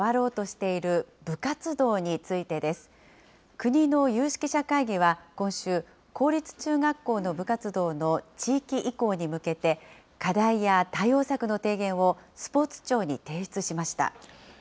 次は、今、大きく変わろうとしている部活動についてです。国の有識者会議は今週、公立中学校の部活動の地域移行に向けて、課題や対応策の提言をスポーツ庁に提出しました。